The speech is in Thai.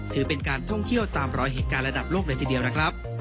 ถือเป็นการท่องเที่ยวตามรอยเหตุการณ์ระดับโลกเลยทีเดียวนะครับ